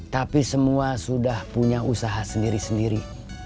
tapi semua sudah punya usaha sendiri sendiri